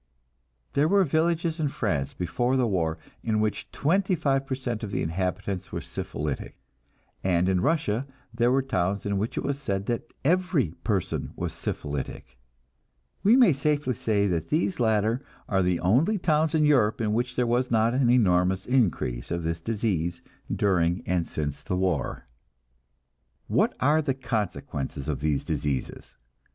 There were villages in France before the war in which twenty five per cent of the inhabitants were syphilitic, and in Russia there were towns in which it was said that every person was syphilitic. We may safely say that these latter are the only towns in Europe in which there was not an enormous increase of this disease during and since the war. What are the consequences of these diseases?